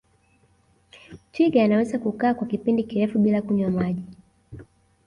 twiga anaweza kukaa kwa kipindi kirefu bila kunywa maji